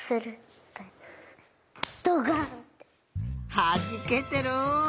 はじけてる！